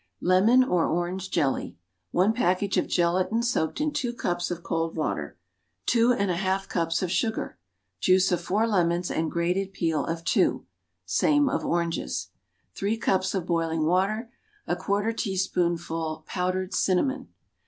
Lemon or Orange Jelly. One package of gelatine soaked in two cups of cold water. Two and a half cups of sugar. Juice of four lemons and grated peel of two (same of oranges). Three cups of boiling water. A quarter teaspoonful powdered cinnamon.